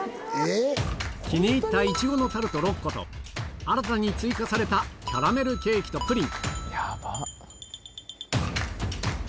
気にいったイチゴのタルト６個と、新たに追加されたキャラメルケーキとプリン。